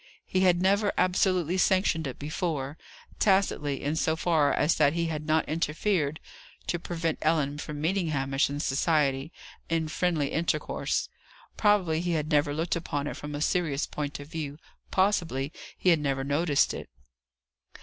He had never absolutely sanctioned it before: tacitly, in so far as that he had not interfered to prevent Ellen from meeting Hamish in society in friendly intercourse. Probably, he had never looked upon it from a serious point of view; possibly, he had never noticed it.